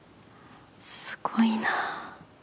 すごいなぁ。